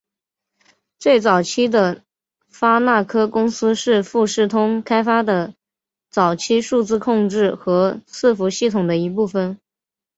最早期的发那科公司是富士通开发的早期数字控制和伺服系统的一部分。